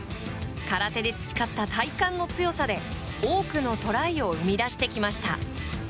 空手で培った体幹の強さで多くのトライを生み出してきました。